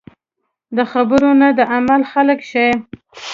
د خبرو نه د عمل خلک شئ .